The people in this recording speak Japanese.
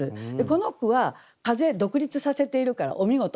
この句は「風」独立させているからお見事。